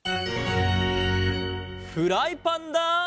フライパンだ！